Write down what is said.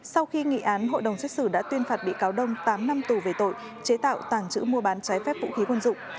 sau khi nghị án hội đồng xét xử đã tuyên phạt bị cáo đông tám năm tù về tội chế tạo tàng trữ mua bán trái phép vũ khí quân dụng